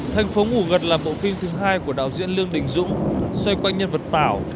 thành phố ngủ gật là bộ phim thứ hai của đạo diễn lương đình dũng xoay quanh nhân vật tảo